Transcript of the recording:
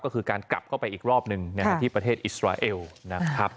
ก็คือการกลับเข้าไปอีกรอบหนึ่งที่ประเทศอิสราเอลนะครับ